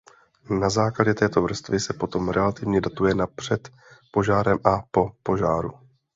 Na základě této vrstvy se potom relativně datuje na "před požárem" a "po požáru".